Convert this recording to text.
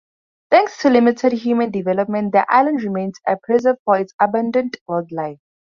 Thanks to limited human development, the island remains a preserve for its abundant wildlife.